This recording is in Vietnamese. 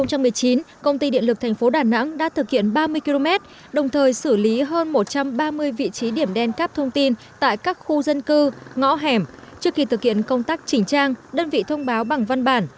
năm hai nghìn một mươi chín công ty điện lực thành phố đà nẵng đã thực hiện ba mươi km đồng thời xử lý hơn một trăm ba mươi vị trí điểm đen cắp thông tin tại các khu dân cư ngõ hẻm trước khi thực hiện công tác chỉnh trang đơn vị thông báo bằng văn bản